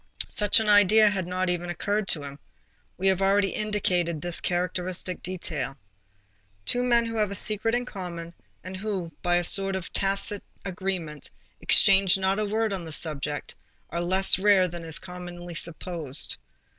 Such an idea had not even occurred to him. We have already indicated this characteristic detail. Two men who have a secret in common, and who, by a sort of tacit agreement, exchange not a word on the subject, are less rare than is commonly supposed.